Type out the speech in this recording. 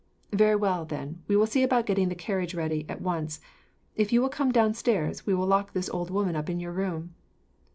"Very well, then, we will see about getting the carriage ready, at once. If you will come downstairs, we will lock this old woman up in your room."